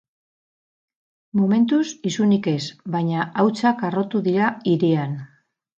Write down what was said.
Momentuz, isunik ez, baina hautsak harrotu dira hirian.